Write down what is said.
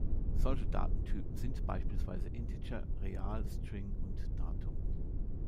Solche Datentypen sind beispielsweise Integer, Real, String und Datum.